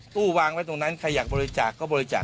ตู้วางไว้ตรงนั้นใครอยากบริจาคก็บริจาค